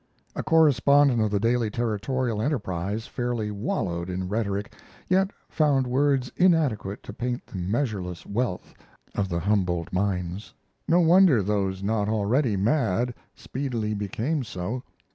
A correspondent of the daily Territorial Enterprise fairly wallowed in rhetoric, yet found words inadequate to paint the measureless wealth of the Humboldt mines. No wonder those not already mad speedily became so.